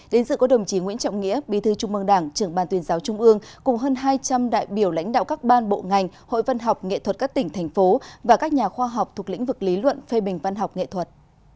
đến dự có đồng chí nguyễn trọng nghĩa bí thư trung mương đảng trưởng ban tuyên giáo trung ương cùng hơn hai trăm linh đại biểu lãnh đạo các ban bộ ngành hội văn học nghệ thuật các tỉnh thành phố và các nhà khoa học thuộc lĩnh vực lý luận phê bình văn học nghệ thuật